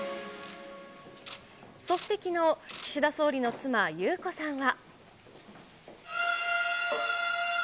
そしてきのう、岸田総理の妻、裕子さんは。